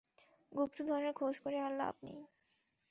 গুপ্তধনের খোঁজ করে আর লাভ নেই।